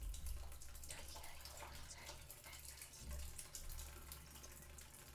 That year he won the Independents' Trophy for the first time.